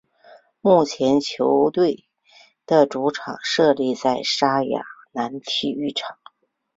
目前球队的主场设立在莎亚南体育场。